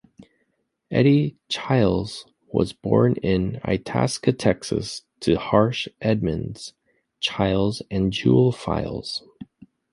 Eddie Chiles was born in Itasca, Texas to Harsh Edmonds Chiles and Jewell Files.